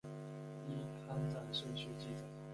依刊载顺序记载。